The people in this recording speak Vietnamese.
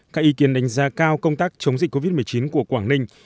các ý kiến đánh giá cao công tác chống dịch covid một mươi chín của quảng ninh